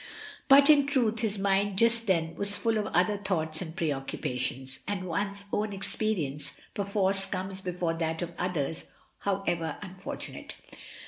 But, in truth, his mind just then was full of other thoughts and preoccupations, and one's own experience perforce comes before that of others however unfortunate.